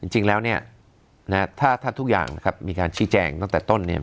จริงแล้วเนี่ยถ้าทุกอย่างนะครับมีการชี้แจงตั้งแต่ต้นเนี่ย